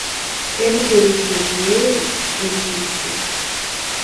"Ele queria o seu dinheiro?" ele disse.